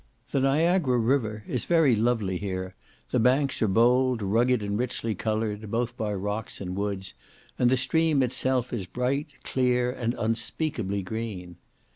The Niagara river is very lovely here; the banks are bold, rugged, and richly coloured, both by rocks and woods; and the stream itself is bright, clear, and unspeakably green.